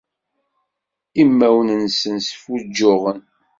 Imawen-nsen sfuǧǧuɛen.